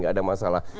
tidak ada masalah